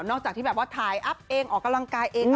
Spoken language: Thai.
จากที่แบบว่าถ่ายอัพเองออกกำลังกายเอง